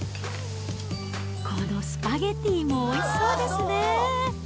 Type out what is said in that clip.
このスパゲティもおいしそうですねぇ。